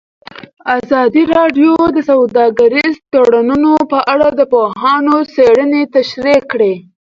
ازادي راډیو د سوداګریز تړونونه په اړه د پوهانو څېړنې تشریح کړې.